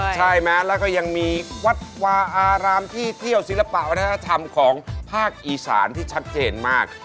ใช่ไหมแล้วก็ยังมีวัดวาอารามที่เที่ยวศิลปะวัฒนธรรมของภาคอีสานที่ชัดเจนมาก